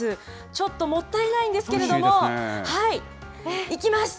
ちょっともったいないんですけれども。いきます！